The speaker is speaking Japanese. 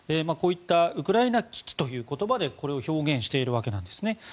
こういったウクライナ危機という言葉で表現しているわけです。